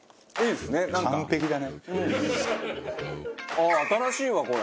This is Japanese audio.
ああ新しいわこれ。